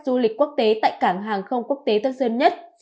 du lịch quốc tế tại cảng hàng không quốc tế tân sơn nhất